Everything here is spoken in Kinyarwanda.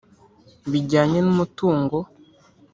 bijyanye n’umutungo?